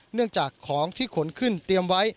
เนื่องจากของที่ขนขึ้นเตรียมไว้